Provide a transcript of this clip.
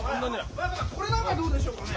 親方これなんかどうでしょうかね？